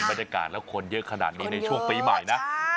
บรรยากาศแล้วคนเยอะขนาดนี้ในช่วงปีใหม่นะ